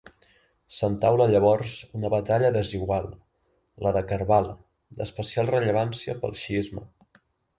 S'entaula llavors una batalla desigual, la de Karbala, d'especial rellevància pel xiisme.